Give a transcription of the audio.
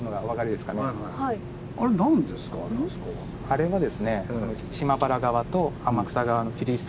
あれはですね